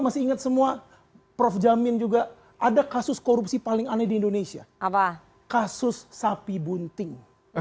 masih ingat semua prof jamin juga ada kasus korupsi paling aneh di indonesia kasus sapi bunting